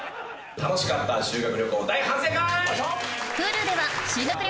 楽しかった修学旅行大反省会！